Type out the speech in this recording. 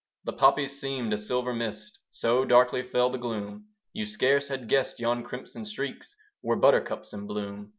The poppies seemed a silver mist: So darkly fell the gloom. You scarce had guessed yon crimson streaks Were buttercups in bloom.